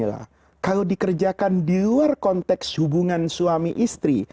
kalau dikerjakan di luar konteks hubungan suami istri